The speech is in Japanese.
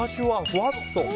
ふわっと。